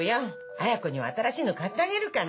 絢子には新しいのを買ってあげるから。